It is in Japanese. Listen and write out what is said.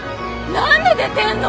何で出でんの？